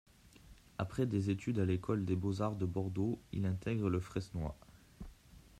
Après des études à l'École des beaux-arts de Bordeaux, il intègre le Fresnoy.